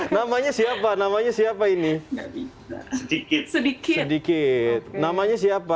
namanya siapa namanya siapa ini sedikit sedikit sedikit namanya siapa